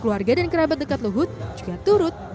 keluarga dan kerabat dekat lehut juga turun ke sana